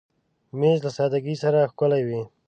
مېز له سادګۍ سره ښکلی وي.